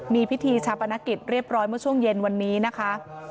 มีพิธีชาปนกิจเรียบร้อยเมื่อช่วงเย็นวันนี้นะคะ